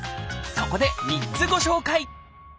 そこで３つご紹介！